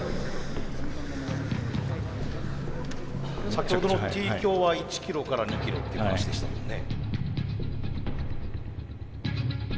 先ほどのＴ京は１キロから２キロっていう話でしたもんね。